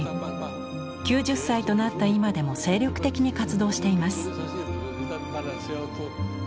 ９０歳となった今でも精力的に活動しています。